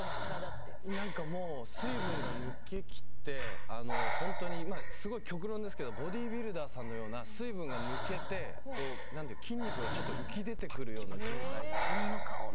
水分が抜けきってすごい極論ですけどボディービルダーさんのような水分が抜けて筋肉がちょっと浮き出てくるような状態。